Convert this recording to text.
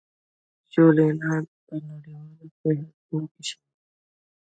دا ژورنال په نړیوالو فهرستونو کې شامل دی.